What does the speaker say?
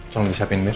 tolong disiapin mir